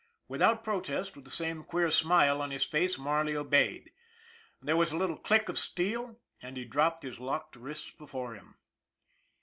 Without protest, with the same queer smile on his face, Marley obeyed. There was a little click of steel, and he dropped his locked wrists before him.